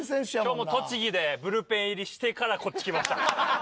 今日も栃木でブルペン入りしてからこっち来ました。